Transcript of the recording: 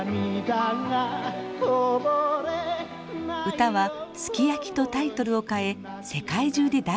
歌は「ＳＵＫＩＹＡＫＩ」とタイトルを変え世界中で大ヒット。